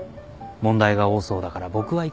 問題が多そうだから僕は行かないな。